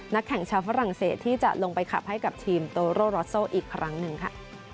แข่งชาวฝรั่งเศสที่จะลงไปขับให้กับทีมโตโร่รอสโซอีกครั้งหนึ่งค่ะ